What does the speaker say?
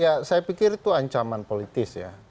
ya saya pikir itu ancaman politis ya